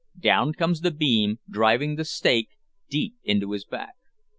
Down comes the beam, driving the spike deep into his back.